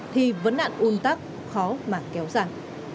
thì vẫn nạn un tắc khó mà kéo dài